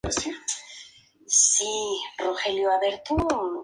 Representa a Antonio Idiáquez Manrique, obispo de Ciudad Rodrigo y de Segovia.